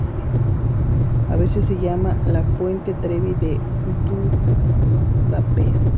A veces se llama la "Fuente Trevi de Budapest".